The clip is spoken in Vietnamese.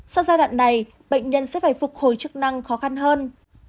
sau giai đoạn này bệnh nhân sẽ phải phục hồi chức năng khó khăn hơn